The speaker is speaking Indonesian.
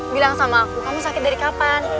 bilang sama aku kamu sakit dari kapan